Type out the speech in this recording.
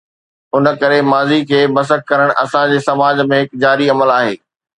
ان ڪري ماضيءَ کي مسخ ڪرڻ اسان جي سماج ۾ هڪ جاري عمل آهي.